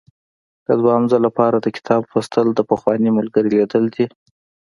د دوهم ځل لپاره د کتاب لوستل د پخواني ملګري لیدل دي.